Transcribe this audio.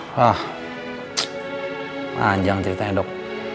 hah panjang ceritanya dok